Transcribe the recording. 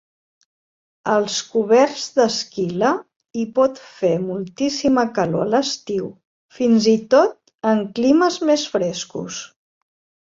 Als coberts d'esquila hi pot fer moltíssima calor a l'estiu, fins i tot en climes més frescos.